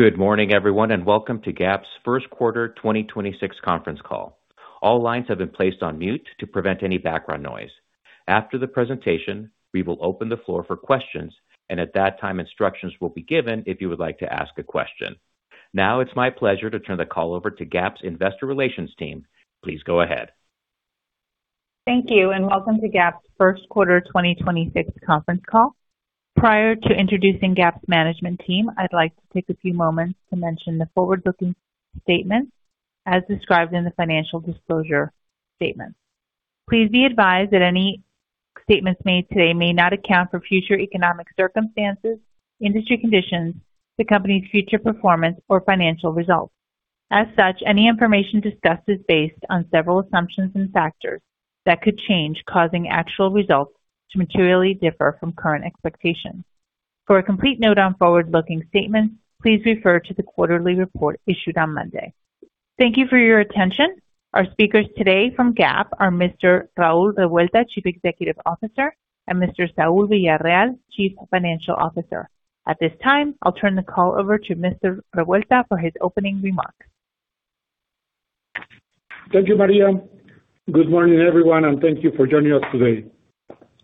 Good morning, everyone, and welcome to GAP's first quarter 2026 conference call. All lines have been placed on mute to prevent any background noise. After the presentation, we will open the floor for questions, and at that time, instructions will be given if you would like to ask a question. Now it's my pleasure to turn the call over to GAP's Investor Relations team. Please go ahead. Thank you, and welcome to GAP's first quarter 2026 conference call. Prior to introducing GAP's management team, I'd like to take a few moments to mention the forward-looking statements as described in the financial disclosure statements. Please be advised that any statements made today may not account for future economic circumstances, industry conditions, the company's future performance, or financial results. As such, any information discussed is based on several assumptions and factors that could change, causing actual results to materially differ from current expectations. For a complete note on forward-looking statements, please refer to the quarterly report issued on Monday. Thank you for your attention. Our speakers today from GAP are Mr. Raul Revuelta, Chief Executive Officer, and Mr. Saul Villarreal, Chief Financial Officer. At this time, I'll turn the call over to Mr. Revuelta for his opening remarks. Thank you, Maria. Good morning, everyone, and thank you for joining us today.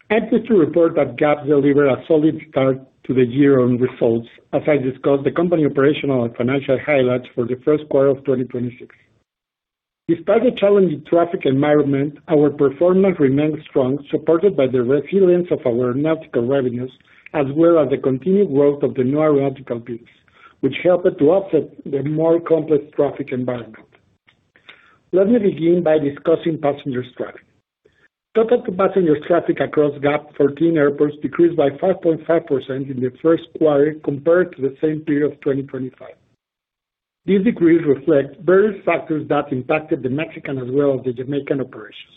I'm here to report that GAP delivered a solid start to the year with results as I discuss the company's operational and financial highlights for the first quarter of 2026. Despite the challenging traffic environment, our performance remains strong, supported by the resilience of our aeronautical revenues, as well as the continued growth of the non-aeronautical revenues, which helped to offset the more complex traffic environment. Let me begin by discussing passenger traffic. Total passenger traffic across GAP's 14 airports decreased by 5.5% in the first quarter compared to the same period of 2025. These decreases reflect various factors that impacted the Mexican as well as the Jamaican operations.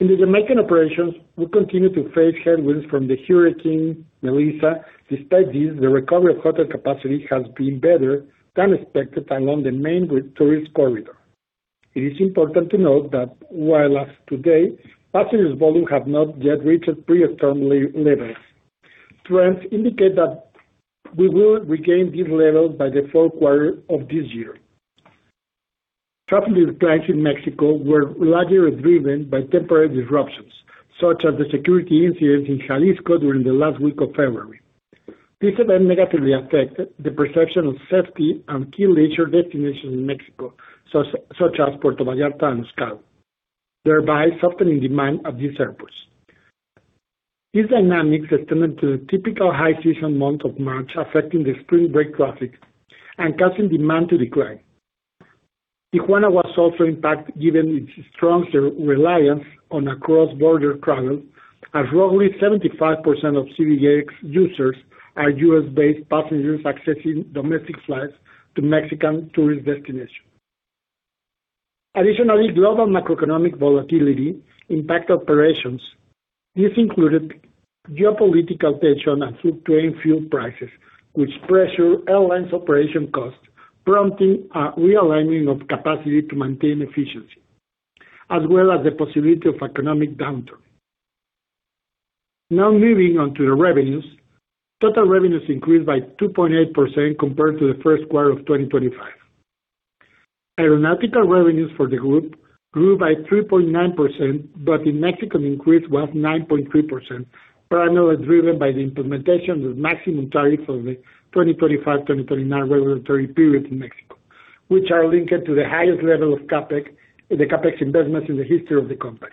In the Jamaican operations, we continue to face headwinds from the Hurricane Melissa. Despite this, the recovery of hotel capacity has been better than expected along the main tourist corridor. It is important to note that as of today, passenger volume has not yet reached pre-storm levels. Trends indicate that we will regain these levels by the fourth quarter of this year. Traffic declines in Mexico were largely driven by temporary disruptions, such as the security incident in Jalisco during the last week of February. This event negatively affected the perception of safety and key leisure destinations in Mexico, such as Puerto Vallarta and Cancún, thereby softening demand at these airports. These dynamics extended to the typical high season month of March, affecting the spring break traffic and causing demand to decline. Tijuana was also impacted given its strong reliance on cross-border travel, as roughly 75% of CBX users are U.S.-based passengers accessing domestic flights to Mexican tourist destinations. Additionally, global macroeconomic volatility impacts operations. This included geopolitical tension and fuel prices, which pressures airlines operating costs, prompting a realignment of capacity to maintain efficiency, as well as the possibility of economic downturn. Now moving on to the revenues. Total revenues increased by 2.8% compared to the first quarter of 2025. Aeronautical revenues for the group grew by 3.9%, but the Mexican increase was 9.3%, primarily driven by the implementation of the maximum tariff for the 2025-2029 regulatory period in Mexico, which is linked to the highest level of the CapEx investments in the history of the company.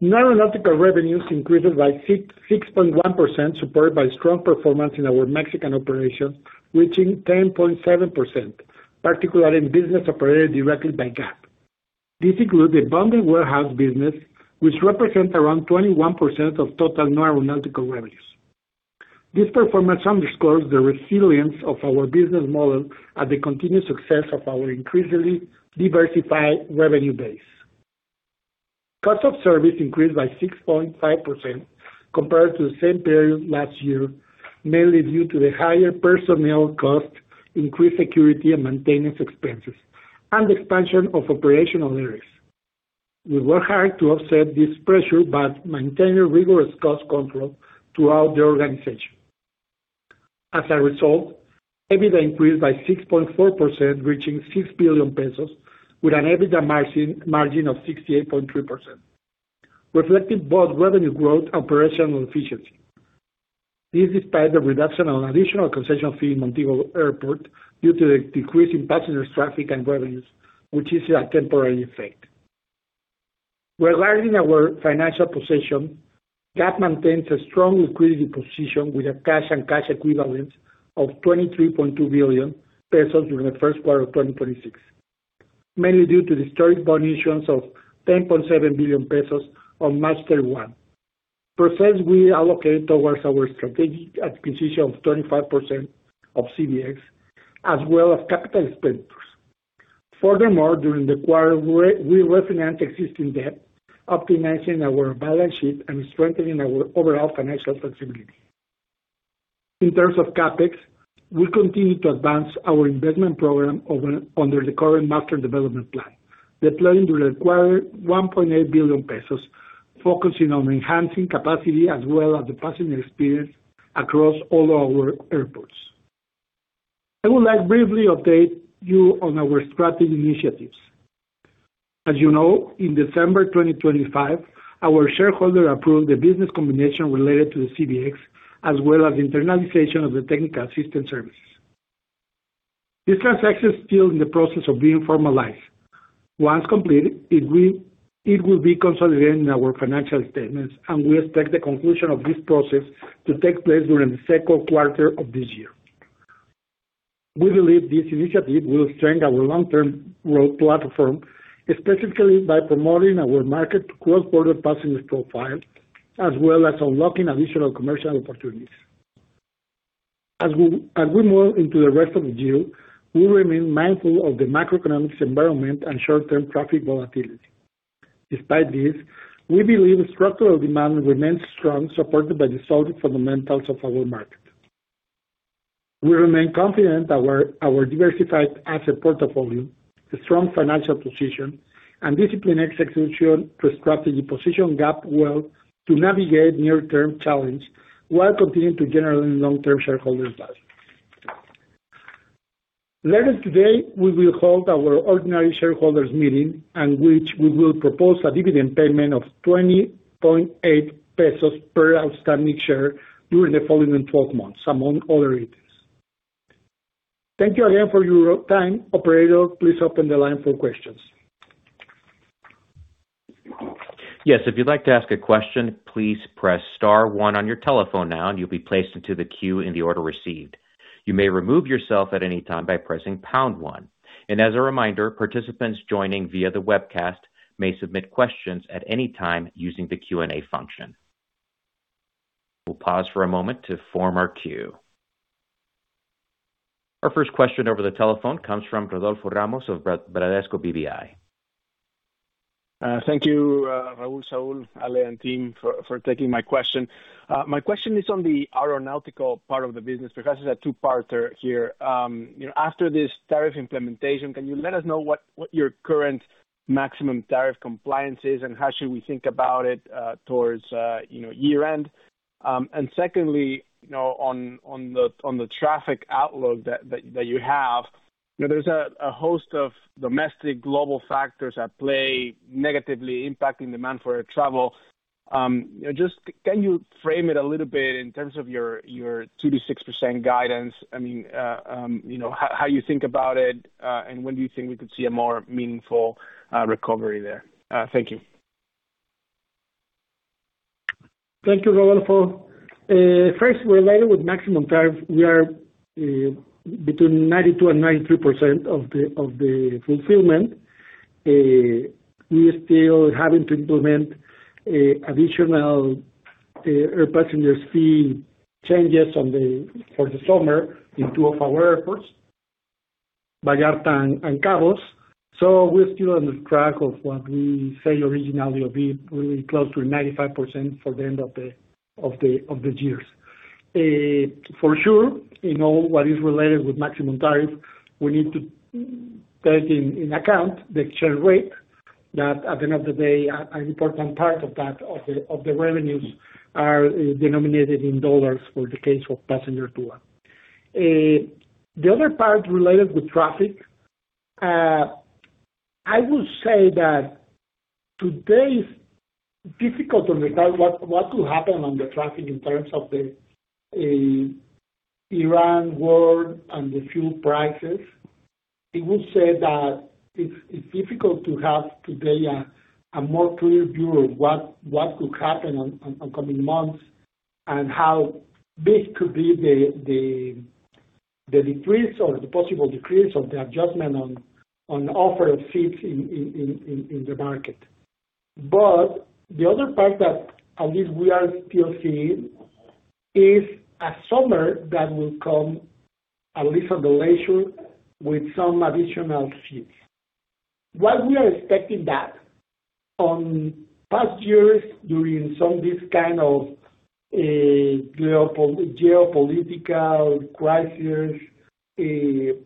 Non-aeronautical revenues increase by 6.1%, supported by strong performance in our Mexican operations, reaching 10.7%, particularly in businesses operated directly by GAP. This includes the bonded warehouse business, which represents around 21% of total non-aeronautical revenues. This performance underscores the resilience of our business model and the continued success of our increasingly diversified revenue base. Cost of service increased by 6.5% compared to the same period last year, mainly due to the higher personnel cost, increased security and maintenance expenses, and expansion of operational areas. We work hard to offset this pressure but maintain a rigorous cost control throughout the organization. As a result, EBITDA increased by 6.4%, reaching 6 billion pesos, with an EBITDA margin of 68.3%, reflecting both revenue growth and operational efficiency. This despite the reduction of additional concession fee in Montego Bay Airport due to the decrease in passenger traffic and revenues, which is a temporary effect. Regarding our financial position, GAP maintains a strong liquidity position with cash and cash equivalents of 23.2 billion pesos during the first quarter of 2025, mainly due to the historic bond issuance of 10.7 billion pesos on March 31. The proceeds we allocate towards our strategic acquisition of 25% of CBX, as well as capital expenditures. Furthermore, during the quarter, we refinanced existing debt, optimizing our balance sheet and strengthening our overall financial flexibility. In terms of CapEx, we continue to advance our investment program under the current master development plan, deploying the required 1.8 billion pesos, focusing on enhancing capacity as well as the passenger experience across all our airports. I would like to briefly update you on our strategic initiatives. As you know, in December 2025, our shareholders approved the business combination related to the CBX, as well as internalization of the technical assistance services. This transaction is still in the process of being formalized. Once completed, it will be consolidated in our financial statements, and we expect the conclusion of this process to take place during the second quarter of this year. We believe this initiative will strengthen our long-term growth platform, specifically by promoting our market cross-border passenger profile, as well as unlocking additional commercial opportunities. As we move into the rest of the year, we remain mindful of the macroeconomic environment and short-term traffic volatility. Despite this, we believe structural demand remains strong, supported by the solid fundamentals of our market. We remain confident that our diversified asset portfolio, strong financial position, and disciplined execution to strategy position GAP well to navigate near-term challenge while continuing to generate long-term shareholder value. Later today, we will hold our ordinary shareholders meeting, in which we will propose a dividend payment of 20.8 pesos per outstanding share during the following 12 months, among other items. Thank you again for your time. Operator, please open the line for questions. Yes, if you'd like to ask a question, please press star one on your telephone now, and you'll be placed into the queue in the order received. You may remove yourself at any time by pressing pound one. As a reminder, participants joining via the webcast may submit questions at any time using the Q&A function. We'll pause for a moment to form our queue. Our first question over the telephone comes from Rodolfo Ramos of Bradesco BBI. Thank you, Raul Revuelta, Saul Villarreal, Ale, and team for taking my question. My question is on the aeronautical part of the business because it's a two-parter here. After this tariff implementation, can you let us know what your current maximum tariff compliance is, and how should we think about it towards year-end? Secondly, on the traffic outlook that you have, there's a host of domestic global factors at play negatively impacting demand for air travel. Just can you frame it a little bit in terms of your 2%-6% guidance? How you think about it, and when do you think we could see a more meaningful recovery there? Thank you. Thank you, Rodolfo. First, related with maximum tariff, we are between 92%-93% of the fulfillment. We are still having to implement additional air passenger fee changes for the summer in two of our airports, Vallarta and Cabos. We're still on track of what we said originally, a bit close to 95% for the end of the year. For sure, what is related with maximum tariff, we need to take in account the exchange rate, that at the end of the day, an important part of the revenues are denominated in dollars for the case of passenger TUA. The other part related with traffic, I would say that today is difficult to recall what could happen on the traffic in terms of the Iran war and the fuel prices. I would say that it's difficult to have today a more clear view of what could happen on coming months, and how big could be the decrease or the possible decrease of the adjustment on offer of seats in the market. The other part that, at least we are still seeing, is a summer that will come, at least on the leisure, with some additional seats. What we are expecting that on past years, during some of this kind of geopolitical crisis, the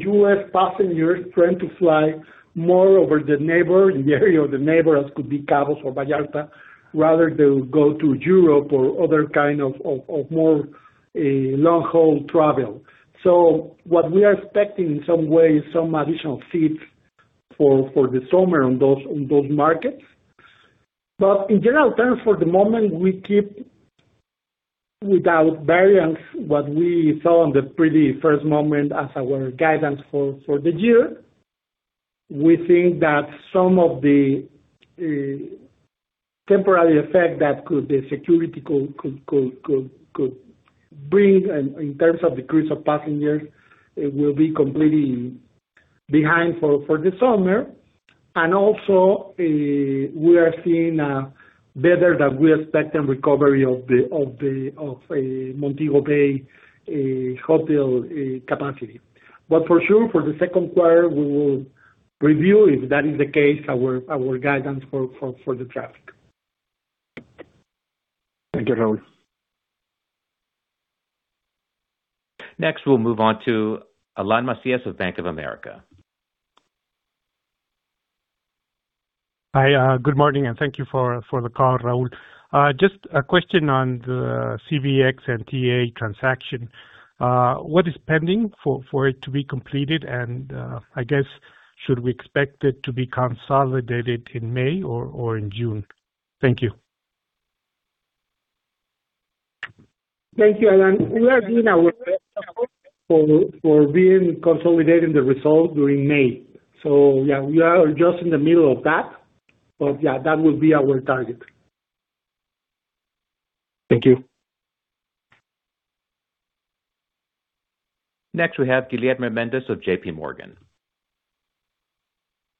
U.S. passengers tend to fly more to the neighbor, the area of the neighbors could be Cabos or Vallarta, rather than go to Europe or other kind of more long-haul travel. What we are expecting in some way is some additional seats for the summer on those markets. In general terms, for the moment, we keep without variance what we saw on the very first moment as our guidance for the year. We think that some of the temporary effect that the security could bring in terms of decrease of passengers will be completely behind for the summer. Also, we are seeing better than we expect the recovery of Montego Bay hotel capacity. For sure, for the second quarter, we will review, if that is the case, our guidance for the traffic. Thank you, Raul. Next we'll move on to Alan Macias with Bank of America. Hi, good morning, and thank you for the call, Raul. Just a question on the CBX and TA transaction. What is pending for it to be completed? I guess, should we expect it to be consolidated in May or in June? Thank you. Thank you, Alan. We are doing our best to consolidate the results during May. Yeah, we are just in the middle of that. Yeah, that will be our target. Thank you. Next, we have Guilherme Mendes of JP Morgan.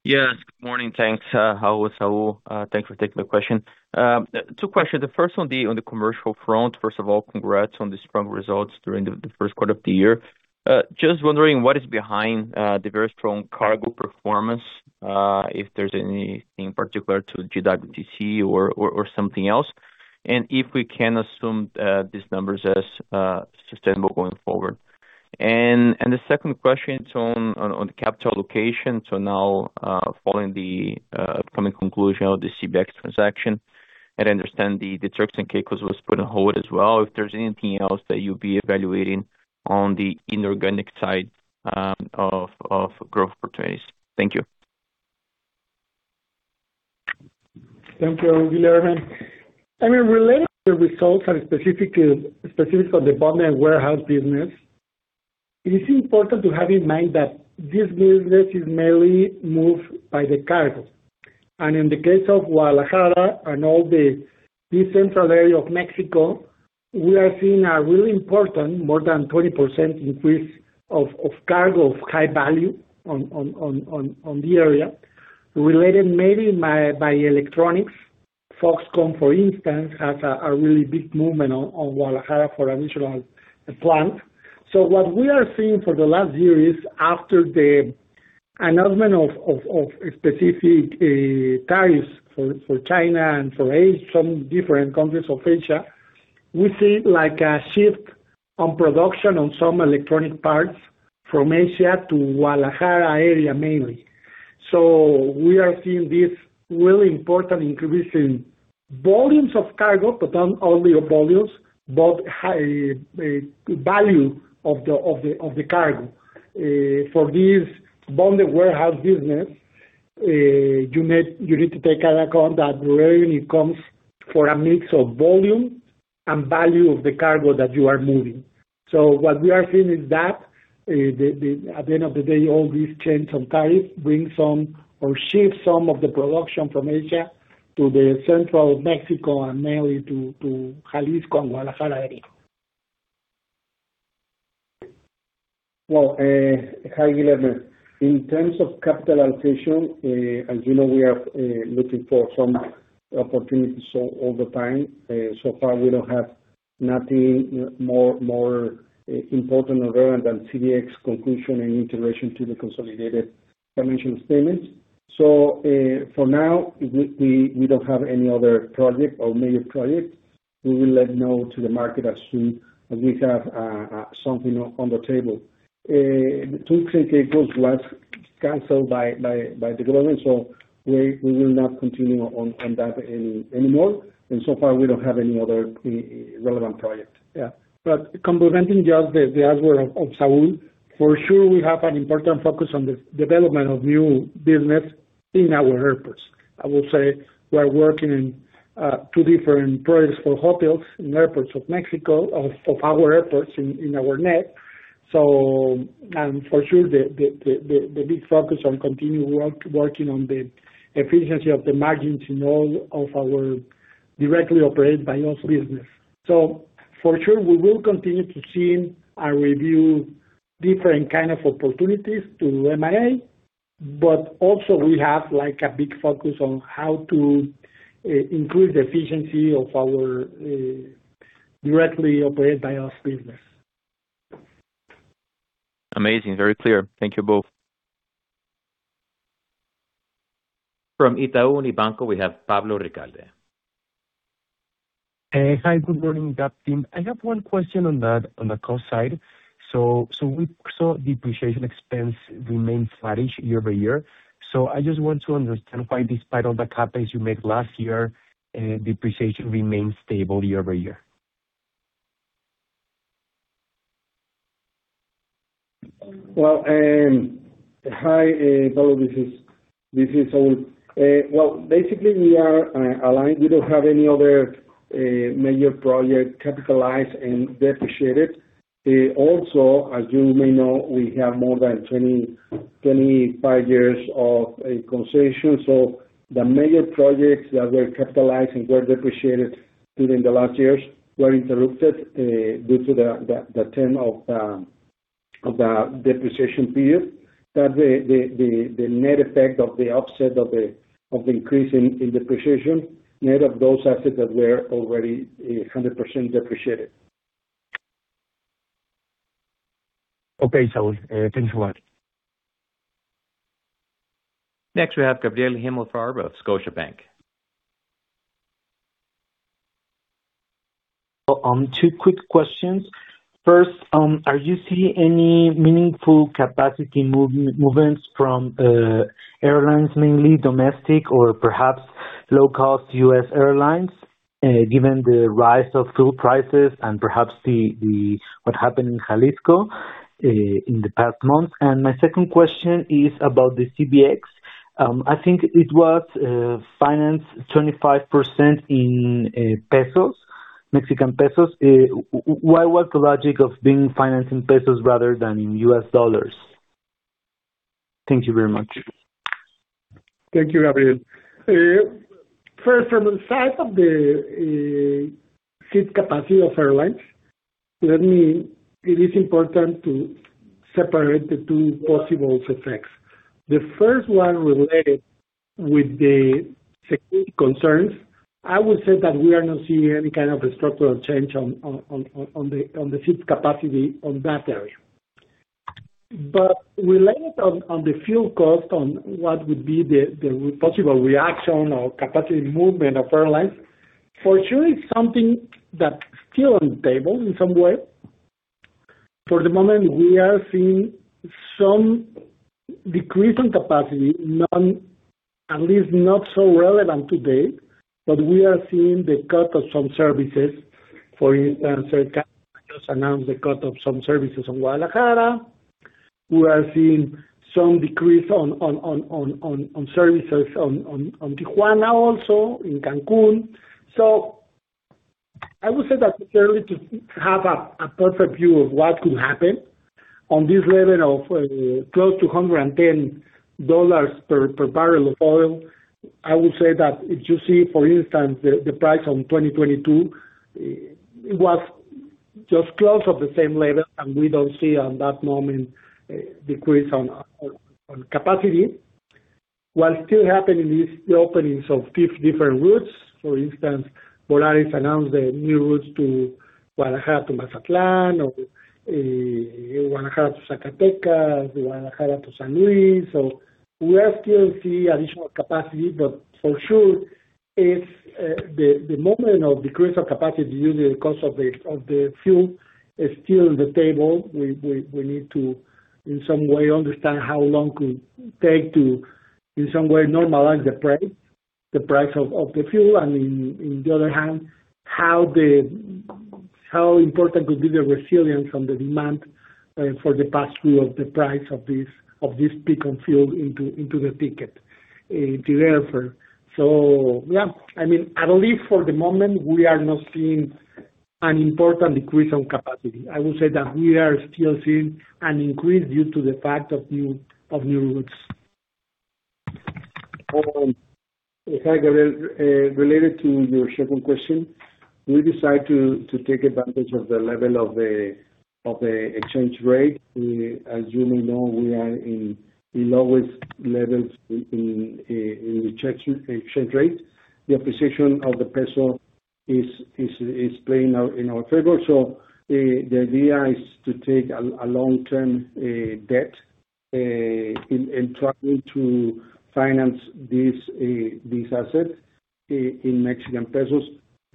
Yes. Good morning. Thanks. How are you, Saul? Thanks for taking the question. 2 questions. The first one on the commercial front. First of all, congrats on the strong results during the first quarter of the year. Just wondering what is behind the very strong cargo performance, if there's anything particular to GWTC or something else. If we can assume these numbers as sustainable going forward. The second question is on capital allocation. So now, following the upcoming conclusion of the CBX transaction, I understand the Turks and Caicos was put on hold as well. If there's anything else that you'll be evaluating on the inorganic side of growth opportunities. Thank you. Thank you, Guilherme. Related to the results, specifically for the bonded warehouse business, it is important to have in mind that this business is mainly moved by the cargo. In the case of Guadalajara and all the central area of México, we are seeing a really important, more than 20% increase of cargo of high value on the area, related mainly by electronics. Foxconn, for instance, has a really big movement on Guadalajara for an initial plant. What we are seeing for the last year is after the announcement of specific tariffs for China and for some different countries of Asia, we see a shift on production on some electronic parts from Asia to Guadalajara area mainly. We are seeing this really important increase in volumes of cargo, but not only of volumes, but high value of the cargo. For this bonded warehouse business, you need to take into account that revenue comes from a mix of volume and value of the cargo that you are moving. What we are seeing is that, at the end of the day, all these change of tariffs bring some, or shift some of the production from Asia to central Mexico, and mainly to Jalisco and Guadalajara area. Well, hi, Guilherme. In terms of capitalization, as you know, we are looking for some opportunities all the time. Far, we don't have nothing more important or relevant than CBX conclusion and integration to the consolidated financial statements. For now, we don't have any other project or major project. We will let you know to the market as soon as we have something on the table. Turks and Caicos was canceled by the government, so we will not continue on that anymore. So far, we don't have any other relevant project. Complementing just the comments of Saul, for sure, we have an important focus on the development of new business in our airports. I will say, we are working in two different projects for hotels in airports of Mexico, of our airports in our net. For sure, the big focus on continued work, working on the efficiency of the margins in all of our directly operated by us business. For sure, we will continue to see and review different kind of opportunities to M&A, but also we have a big focus on how to improve the efficiency of our directly operated by us business. Amazing. Very clear. Thank you both. From Itaú BBA, we have Pablo Ricalde. Hi, good morning, everyone. I have one question on the cost side. We saw depreciation expense remain flattish year-over-year. I just want to understand why, despite all the CapEx you made last year, depreciation remains stable year-over-year. Well, hi, Pablo. This is Saul. Well, basically we are aligned. We don't have any other major project capitalized and depreciated. Also, as you may know, we have more than 25 years of concession. The major projects that were capitalized and were depreciated during the last years were interrupted due to the term of the depreciation period. The net effect of the offset of the increase in depreciation, net of those assets that were already 100% depreciated. Okay, Saul. Thanks a lot. Next we have Gabriel Himelfarb of Scotiabank. Two quick questions. First, are you seeing any meaningful capacity movements from airlines, mainly domestic or perhaps low-cost U.S. airlines, given the rise of fuel prices and perhaps what happened in Jalisco in the past month? My second question is about the CBX. I think it was financed 25% in Mexican pesos. Why was the logic of doing financing in pesos rather than in U.S. dollars? Thank you very much. Thank you, Gabriel. First, from the side of the seat capacity of airlines, it is important to separate the two possible effects. The first one related with the security concerns, I would say that we are not seeing any kind of structural change on the seat capacity on that area. Related on the fuel cost, on what would be the possible reaction or capacity movement of airlines, for sure it's something that's still on the table in some way. For the moment, we are seeing some decrease in capacity, at least not so relevant today. We are seeing the cut of some services. For instance, uncertain just announced the cut of some services on Guadalajara. We are seeing some decrease on services on Tijuana also, in Cancún. I would say that it's early to have a perfect view of what could happen on this level of close to $110 per barrel of oil. I would say that if you see, for instance, the price in 2022, it was just close to the same level, and we don't see at that moment a decrease in capacity. What's still happening is the openings of different routes. For instance, Volaris announced the new routes to Guadalajara to Mazatlán or Guadalajara to Zacatecas, Guadalajara to San Luis. We are still seeing additional capacity. For sure, if the movement of decrease of capacity due to the cost of the fuel is still on the table, we need to, in some way, understand how long it could take to, in some way, normalize the price of the fuel. On the other hand, how important could be the resilience in the demand for the pass-through of the price of this peak in fuel into the ticket to the airport. At least for the moment, we are not seeing an important decrease in capacity. I would say that we are still seeing an increase due to the fact of new routes. Related to your second question, we decide to take advantage of the level of the exchange rate. As you may know, we are in the lowest levels in the exchange rate. The appreciation of the peso is playing out in our favor. The idea is to take a long-term debt, and trying to finance this asset in Mexican pesos.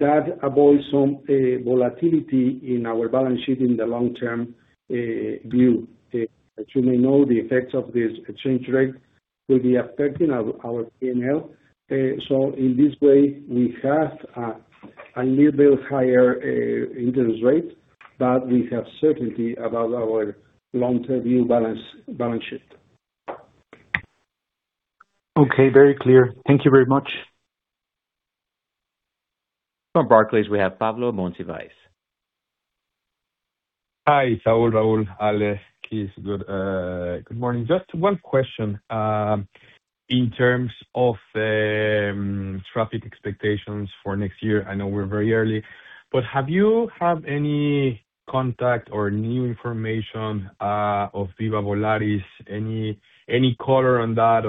That avoids some volatility in our balance sheet in the long-term view. As you may know, the effects of this exchange rate will be affecting our P&L. In this way, we have a little higher interest rate, but we have certainty about our long-term view balance sheet. Okay, very clear. Thank you very much. From Barclays, we have Pablo Monsivais. Hi, Saul, Raul, Ale, Keith. Good morning. Just one question. In terms of traffic expectations for next year, I know we're very early, but have you had any contact or new information of Viva Aerobus-Allegiant? Any color on that,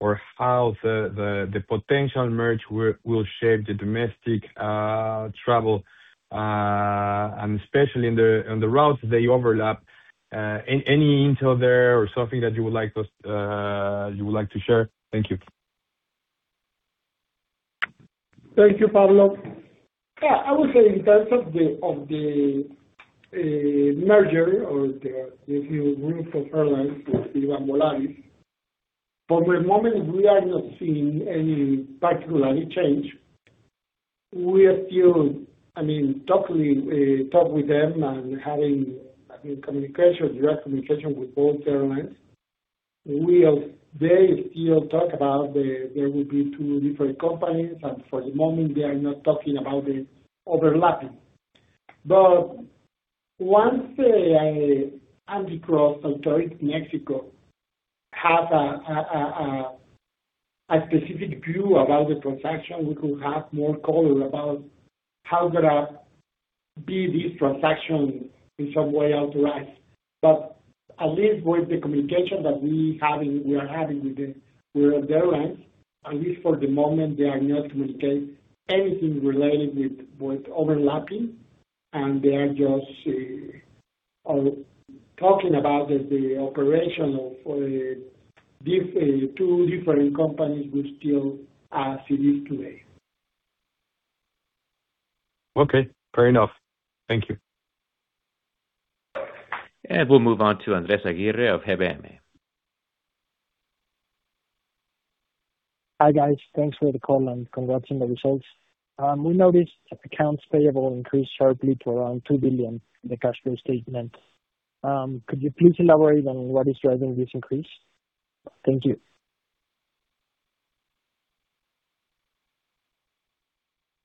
or how the potential merger will shape the domestic travel, and especially on the routes they overlap? Any intel there or something that you would like to share? Thank you. Thank you, Pablo. I would say in terms of the merger or the new group of airlines with Viva and Volaris, for the moment, we are not seeing any particular change. We still talk with them and having direct communication with both airlines. They still talk about there will be two different companies, and for the moment, they are not talking about the overlapping. Once COFECE has a specific view about the transaction, we could have more color about how could be this transaction in some way authorized. At least with the communication that we are having with the airlines, at least for the moment, they are not communicating anything related with overlapping, and they are just talking about the operation of these two different companies would still as it is today. Okay, fair enough. Thank you. We'll move on to Andres Aguirre of GBM. Hi, guys. Thanks for the call and congrats on the results. We noticed that accounts payable increased sharply to around 2 billion in the cash flow statement. Could you please elaborate on what is driving this increase? Thank you.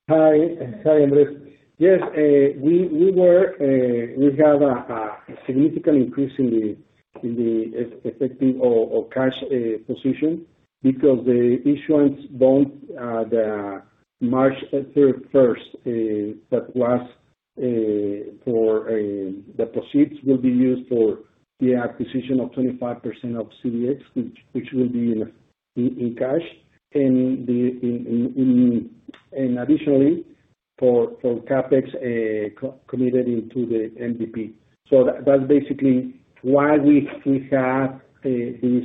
Hi, Andres. Yes, we have a significant increase in the effective or cash position because the bond issuance on March 31st, the proceeds will be used for the acquisition of 25% of CBX, which will be in cash. And additionally, for CapEx committed into the MDP. That's basically why we have this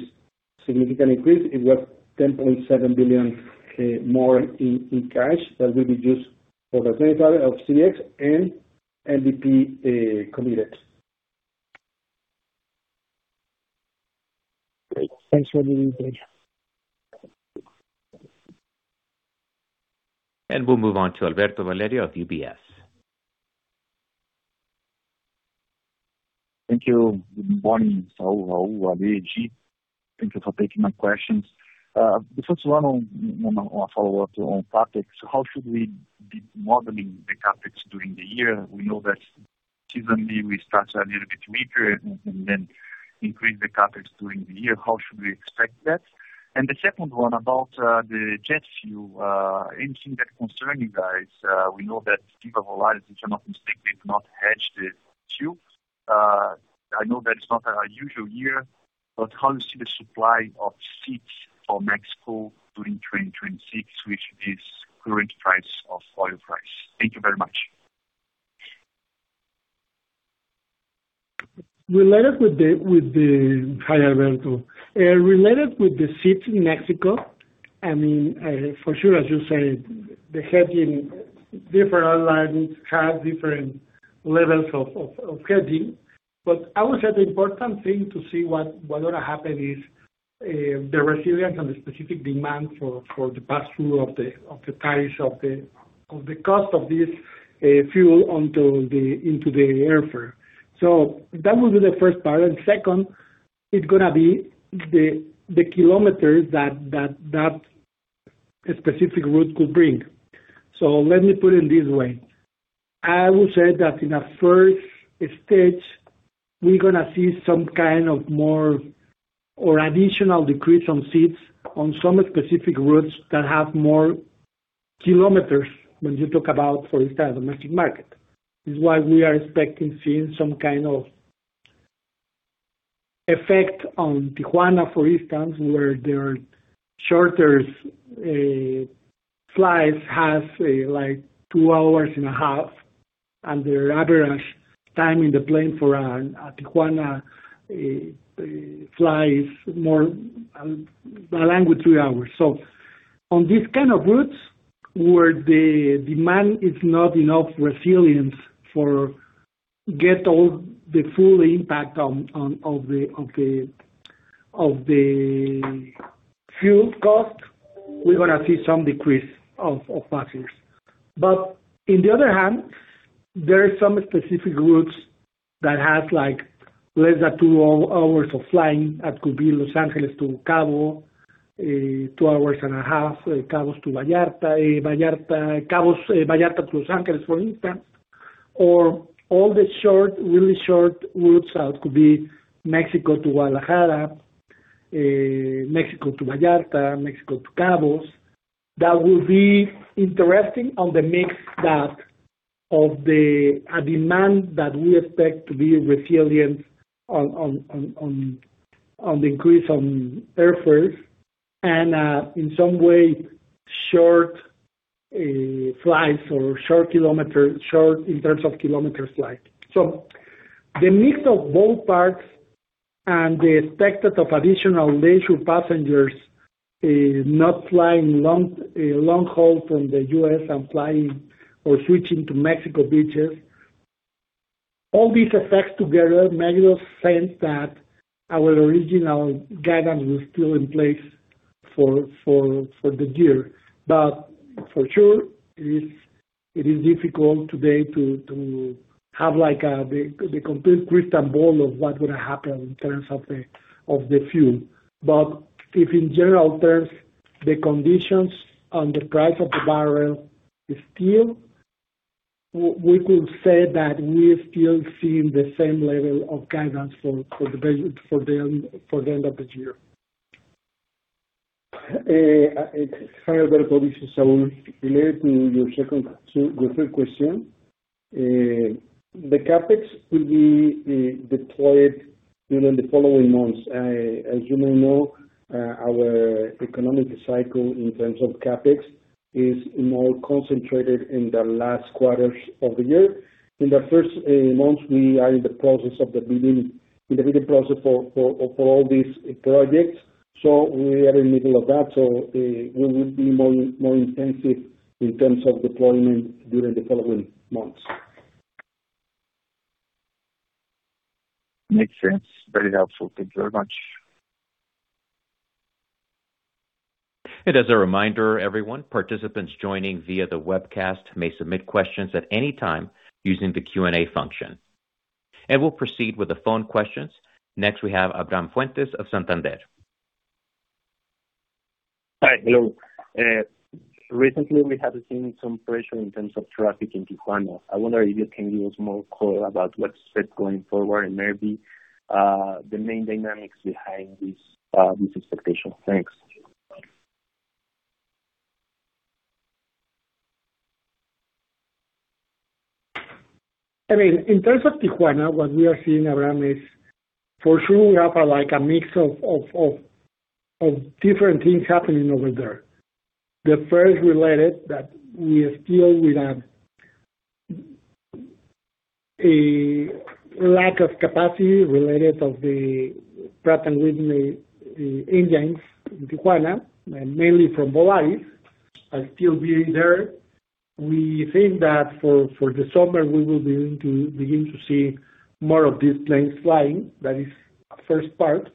significant increase. It was 10.7 billion more in cash that will be used for the benefit of CBX and MDP committed. Great. Thanks for the input. We'll move on to Alberto Valerio of UBS. Thank you. Good morning, Raul. Raul, AMAG. Thank you for taking my questions. The first one on a follow-up on topics, how should we be modeling the CapEx during the year? We know that seasonally, we start a little bit weaker, and then increase the CapEx during the year. How should we expect that? The second one about the jet fuel. Anything that concern you guys? We know that different airlines, if I'm not mistaken, have not hedged the fuel. I know that it's not our usual year, but how do you see the supply of seats for Mexico during 2026 with this current price of oil price? Thank you very much. Hi, Alberto. Related with the seats in Mexico, I mean, for sure, as you say, different airlines have different levels of hedging. I would say the important thing to see what's gonna happen is, the resilience and the specific demand for the pass-through of the cost of this fuel into the airfare. That would be the first part, and second, it's gonna be the kilometers that a specific route could bring. Let me put it this way. I would say that in a first stage, we're gonna see some kind of more or additional decrease on seats on some specific routes that have more kilometers when you talk about, for instance, domestic market. This is why we are expecting to see some kind of effect on Tijuana, for instance, where their shorter flight has 2.5 hours, and their average time in the plane for a Tijuana flight is more like three hours. On these kind of routes where the demand is not resilient enough to get the full impact of the fuel cost, we're gonna see some decrease of passengers. On the other hand, there are some specific routes that have less than two hours of flying. That could be Los Angeles to Cabo, 2.5 hours, Cabo to Vallarta. Vallarta to Los Angeles, for instance, or all the really short routes. That could be Mexico to Guadalajara, Mexico to Vallarta, Mexico to Cabo. That will be interesting on the mix of the demand that we expect to be resilient to the increase in airfares, and in some way, short flights or short in terms of kilometer flight. The mix of both parts and the expected additional leisure passengers, not flying long haul from the U.S. and flying or switching to Mexico beaches. All these effects together make sense that our original guidance was still in place for the year. For sure, it is difficult today to have the complete crystal ball of what would happen in terms of the fuel. If in general terms, the conditions and the price of the barrel is still, we could say that we are still seeing the same level of guidance for the end of the year. Hi, Alberto. This is Saul. Related to your third question. The CapEx will be deployed. Even in the following months, as you may know, our economic cycle in terms of CapEx is more concentrated in the last quarters of the year. In the first months, we are in the bidding process for all these projects. We are in the middle of that. We will be more intensive in terms of deployment during the following months. Makes sense. Very helpful. Thank you very much. As a reminder, everyone, participants joining via the webcast may submit questions at any time using the Q&A function, and we'll proceed with the phone questions. Next we have Abraham Fuentes of Santander. Hi. Hello. Recently we have seen some pressure in terms of traffic in Tijuana. I wonder if you can give us more color about what's set going forward and maybe the main dynamics behind this expectation. Thanks. I mean, in terms of Tijuana, what we are seeing, Abraham, is for sure we have a mix of different things happening over there. The first related that we are still with a lack of capacity related to the Pratt & Whitney engines in Tijuana, mainly from Volaris, are still being there. We think that for the summer, we will begin to see more of these planes flying. That is first part.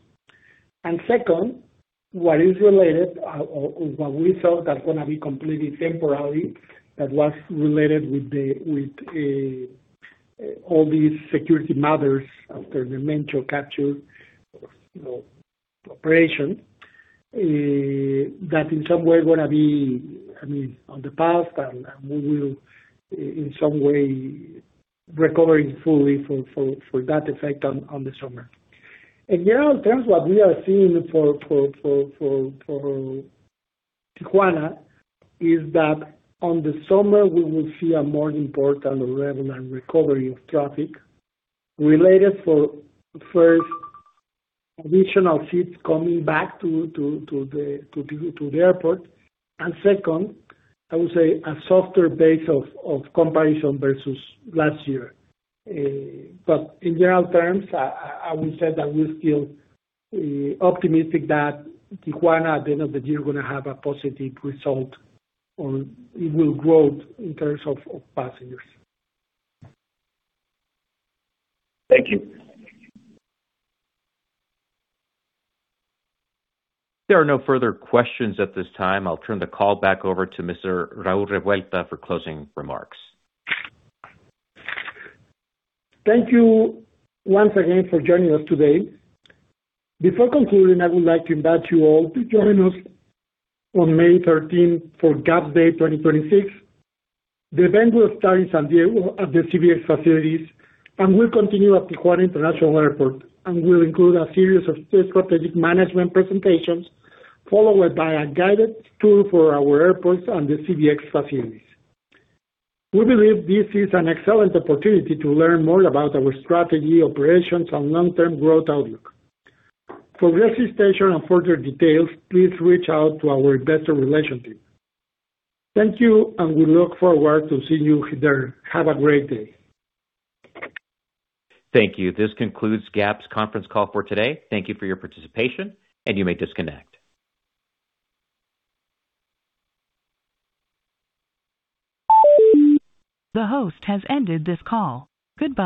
Second, what is related, is what we thought that's going to be completely temporary, that was related with all these security matters after the El Mencho capture operation. That in some way are going to be in the past, and we will in some way recovering fully from that effect on the summer. In general terms, what we are seeing for Tijuana is that in the summer we will see a more important revenue recovery of traffic related to first additional seats coming back to the airport. Second, I would say a softer base of comparison versus last year. In general terms, I will say that we're still optimistic that Tijuana, at the end of the year, is going to have a positive result, or it will grow in terms of passengers. Thank you. There are no further questions at this time. I'll turn the call back over to Mr. Raul Revuelta for closing remarks. Thank you once again for joining us today. Before concluding, I would like to invite you all to join us on May 13th for GAP Day 2026. The event will start in San Diego at the CBX facilities and will continue at Tijuana International Airport, and will include a series of strategic management presentations, followed by a guided tour for our airports and the CBX facilities. We believe this is an excellent opportunity to learn more about our strategy, operations, and long-term growth outlook. For registration and further details, please reach out to our investor relations team. Thank you, and we look forward to seeing you there. Have a great day. Thank you. This concludes GAP's conference call for today. Thank you for your participation, and you may disconnect. The host has ended this call. Goodbye.